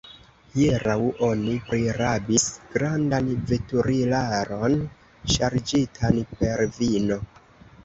Hieraŭ oni prirabis grandan veturilaron, ŝarĝitan per vino.